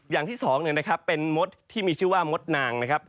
อย่างที่๒เป็นมสที่มีชื่อว่ามสนาง